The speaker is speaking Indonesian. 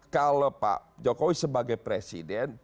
kalau pak jokowi sebagai presiden